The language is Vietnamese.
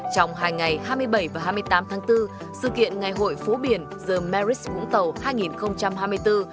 trong hai ngày hai mươi bảy và hai mươi tám tháng bốn sự kiện ngày hội phố biển the marist vũng tàu hai nghìn hai mươi bốn